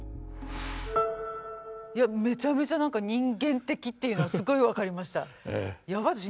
いやメチャメチャ何か人間的っていうのがすごい分かりました。